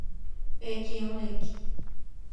Pé que é um leque